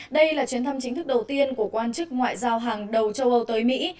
đây là chuyến thăm chính thức đầu tiên của quan chức ngoại giao hàng đầu châu âu tới mỹ